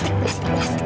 yang sepupu banget